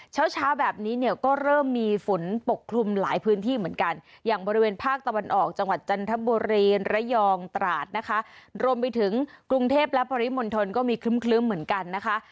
เช้าเช้าแบบนี้เนี่ยก็เริ่มมีฝนปกคลุมหลายพื้นที่เหมือนกันอย่างบริเวณภาคตะวันออกจังหวัดจันทบุรีระยองตราดนะคะรวมไปถึงกรุงเทพและปริมณฑลก็มีครึ้มเหมือนกันนะคะ